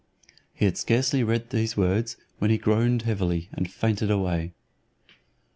He had scarcely read these words, when he groaned heavily, and fainted away.